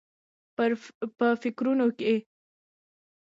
په فکرونو کې و.